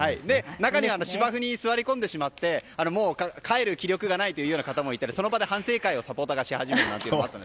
中には芝生に座り込んでしまって帰る気力がないという方もいたりその場で反省会をサポーターがしたりしていました。